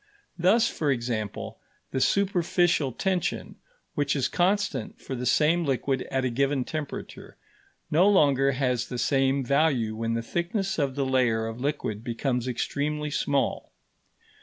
Thus, for example, the superficial tension, which is constant for the same liquid at a given temperature, no longer has the same value when the thickness of the layer of liquid becomes extremely small.